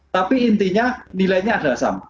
tapi intinya nilainya adalah sama